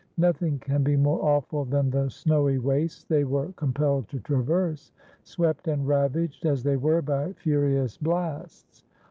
Nothing can be more awful than the snowy wastes they were compelled to traverse, swept and ravaged as they were by furious blasts.